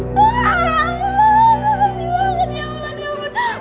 wah ya allah makasih banget ya allah ya allah